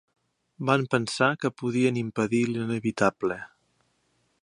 Van pensar que podien impedir l'inevitable.